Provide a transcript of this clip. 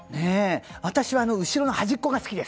私は後ろの端っこが好きです。